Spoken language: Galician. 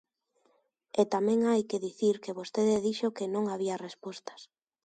E tamén hai que dicir que vostede dixo que non había respostas.